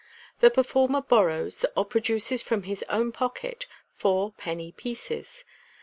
The performer borrows, or produces from his own pocket, four penny pieces.